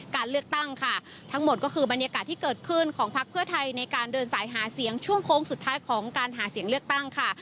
การเลือกตั้งค่ะทั้งหมดก็คือบรรยากาศที่เกิดขึ้นของพักเพื่อไทยในการเดินสายหาเสียงช่วงโค้งสุดท้ายของการหาเสียงเลือกตั้งค่ะ